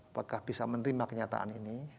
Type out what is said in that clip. apakah bisa menerima kenyataan ini